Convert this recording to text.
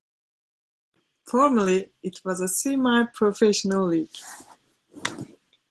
Formally, it was a semi-professional league.